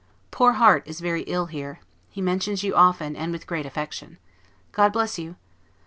Poor Harte is very ill here; he mentions you often, and with great affection. God bless you!